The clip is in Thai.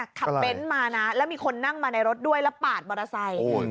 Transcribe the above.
เบ้นมานะแล้วมีคนนั่งมาในรถด้วยแล้วปาดมอเตอร์ไซค์